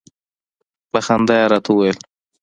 په خندا يې راته وویل.